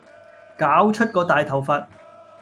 搞出個大頭佛